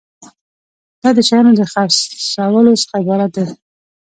دا د شیانو د خرڅولو څخه عبارت دی.